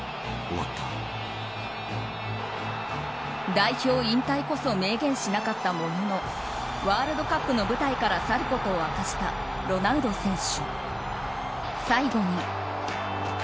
代表引退こそ明言しなかったもののワールドカップの舞台から去ることを明かしたロナウド選手。